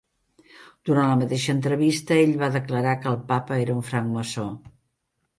Durant la mateixa entrevista, ell va declarar que el Papa era un francmaçó.